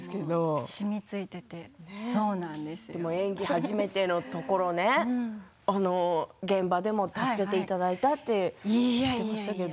初めてのところ現場でも助けていただいてとおっしゃっていましたけど。